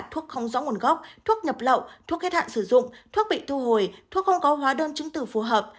thuốc không rõ nguồn gốc thuốc nhập lậu thuốc hết hạn sử dụng thuốc bị thu hồi thuốc không có hóa đơn chứng tử phù hợp